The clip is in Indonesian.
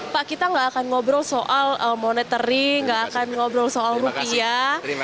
pak kita tidak akan ngobrol soal monitoring tidak akan ngobrol soal rupiah